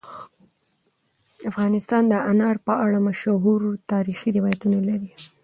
افغانستان د انار په اړه مشهور تاریخی روایتونه لري.